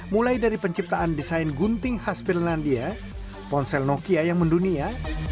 mulai dari penciptaan desain gunting khas finlandia ponsel nokia yang mendunia